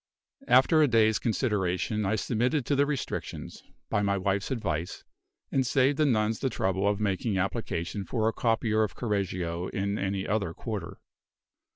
After a day's consideration, I submitted to the restrictions, by my wife's advice, and saved the nuns the trouble of making application for a copier of Correggio in any other quarter.